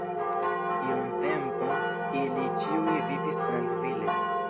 Iun tempon ili ĉiuj vivis trankvile.